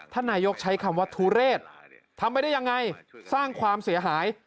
นายกใช้คำว่าทุเรศทำไปได้ยังไงสร้างความเสียหาย